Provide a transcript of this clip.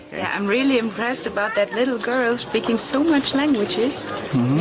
ya aku sangat terkesan dengan anak anak itu yang berbicara banyak bahasa